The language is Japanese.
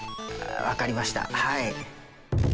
分かりました。